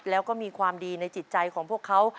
แล้วก็มีความดีในจิตใจของพวกเขา